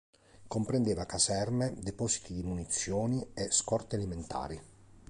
Comprendeva caserme, depositi di munizioni e scorte alimentari.